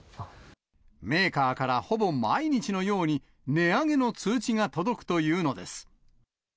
メーカーからほぼ毎日のように値上げの通知が届くというのです。